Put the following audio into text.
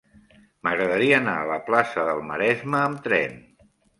M'agradaria anar a la plaça del Maresme amb tren.